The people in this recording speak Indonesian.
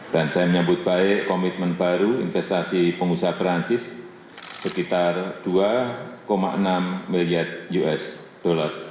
dan saya menyebut baik komitmen baru investasi pengusaha perancis sekitar dua enam miliar usd